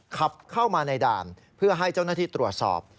ขับเข้ามาในด่านเพื่อให้เจ้าหน้าที่ตรวจสอบ